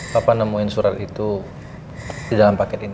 bapak nemuin surat itu di dalam paket ini